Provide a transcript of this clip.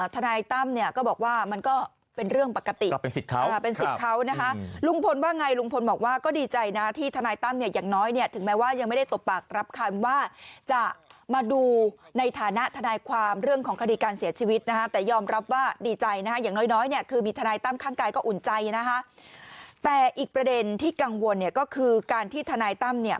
ทนายตั้มเนี่ยก็บอกว่ามันก็เป็นเรื่องปกติเป็นสิทธิ์เขานะคะลุงพลว่าไงลุงพลบอกว่าก็ดีใจนะที่ทนายตั้มเนี่ยอย่างน้อยเนี่ยถึงแม้ว่ายังไม่ได้ตบปากรับคำว่าจะมาดูในฐานะทนายความเรื่องของคดีการเสียชีวิตนะฮะแต่ยอมรับว่าดีใจนะฮะอย่างน้อยน้อยเนี่ยคือมีทนายตั้มข้างกายก็อุ่นใจนะคะแต่อีกประเด็นที่กังวลเนี่ยก็คือการที่ทนายตั้มเนี่ย